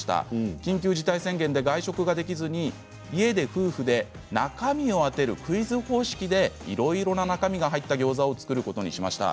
緊急事態宣言で外食ができずに家で夫婦で中身を当てるクイズ方式でいろいろ中身が入ったギョーザを作ることにしました。